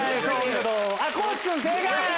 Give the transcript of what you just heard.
地君正解！